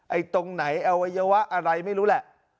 ไอ้ตรงไหนไอ้วะอะไรไม่รู้แหละ